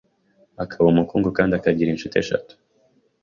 akaba umukungu kandi akagira inshuti eshatu